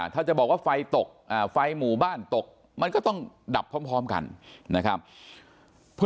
ถ้าจะบอกว่าไฟตกไฟหมู่บ้านตกมันก็ต้องดับพร้อมกันนะครับ